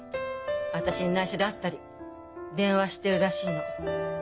私にないしょで会ったり電話してるらしいの。